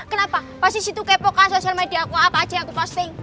kenapa pasti situ kepokan sosial media aku apa aja yang aku posting